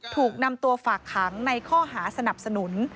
ถูกนำตัวฝากขังในข้อหาสนับสนุน